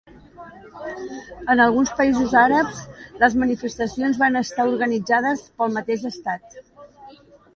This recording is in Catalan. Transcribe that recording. En alguns països àrabs les manifestacions van estar organitzades pel mateix estat.